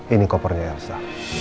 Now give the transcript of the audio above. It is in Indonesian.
ini kopernya elsa